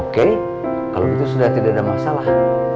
oke kalau gitu sudah tidak ada masalah